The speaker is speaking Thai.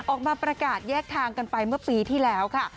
ออกมาประกาศแยกทางกันไปเมื่อปีที่แล้วค่ะ